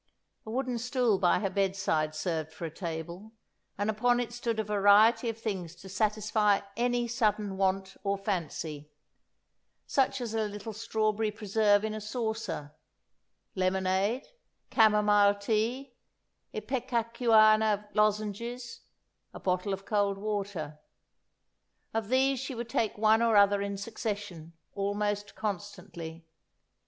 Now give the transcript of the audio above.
A wooden stool by her bedside served for a table, and upon it stood a variety of things to satisfy any sudden want or fancy; such as a little strawberry preserve in a saucer, lemonade, chamomile tea, ipecacuanha lozenges, a bottle of cold water. Of these she would take one or other in succession, almost constantly.